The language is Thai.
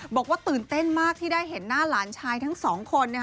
บอกว่าตื่นเต้นมากที่ได้เห็นหน้าหลานชายทั้งสองคน